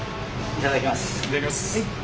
いただきます。